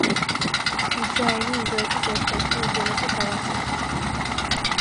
უჯაინი ინდოეთის ერთ-ერთი უძველესი ქალაქია.